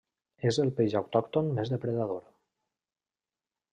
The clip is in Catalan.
És el peix autòcton més depredador.